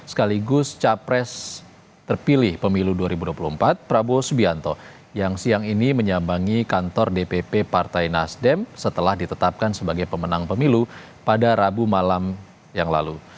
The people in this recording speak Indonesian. sekaligus capres terpilih pemilu dua ribu dua puluh empat prabowo subianto yang siang ini menyambangi kantor dpp partai nasdem setelah ditetapkan sebagai pemenang pemilu pada rabu malam yang lalu